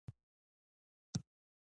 دا نظارت د لیاقت په اساس ترسره کیږي.